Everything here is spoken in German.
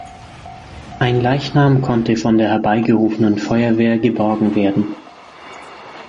Ein Leichnam konnte von der herbeigerufenen Feuerwehr geborgen werden.